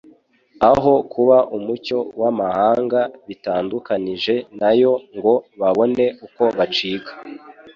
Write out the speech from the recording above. Aho kuba umucyo w'amahanga bitandukanije na yo ngo babone uko bacika